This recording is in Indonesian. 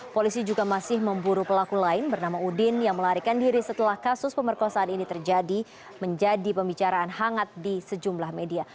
polisi juga masih memburu pelaku lain bernama udin yang melarikan diri setelah kasus pemerkosaan ini terjadi menjadi pembicaraan hangat di sejumlah media